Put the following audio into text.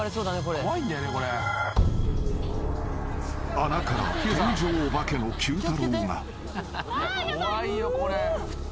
［穴から天井オバケのＱ太郎が］